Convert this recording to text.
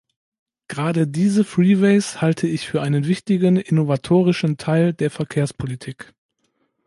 Gerade diese freeways halte ich für einen wichtigen innovatorischen Teil der Verkehrspolitik.